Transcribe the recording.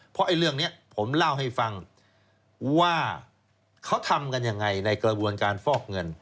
เพราะไอ้เรื่องนี้ผมเล่าให้ฟังว่าเขาทำกันยังไงในกระบวนการฟอกเงิน